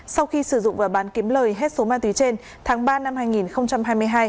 sau khi sử dụng và bán kiếm lời hết số ma túy trên tháng ba năm hai nghìn hai mươi hai